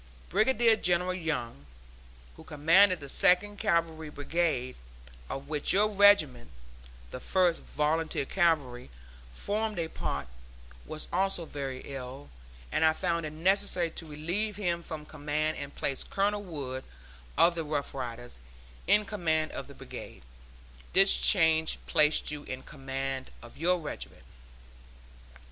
Brigadier General Young, who commanded the Second Cavalry Brigade, of which your regiment the First Volunteer Cavalry formed a part, was also very ill, and I found it necessary to relieve him from command and place Colonel Wood, of the Rough Riders, in command of the Brigade; this change placed you in command of your regiment.